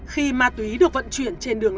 khi ma túy được vận chuyển trên đường